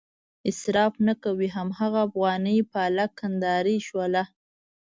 اصراف نه کوي هماغه افغاني پالک، کندهارۍ شوله.